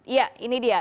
iya ini dia